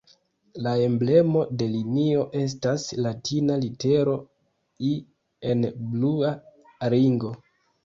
La emblemo de linio estas latina litero "I" en blua ringo.